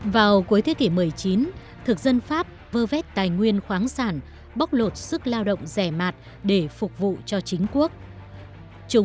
vào cuối thế kỷ một mươi chín thực dân pháp vơ vét tài nguyên khoáng sản bóc lột sức lao động rẻ mạt để phục vụ cho chính quốc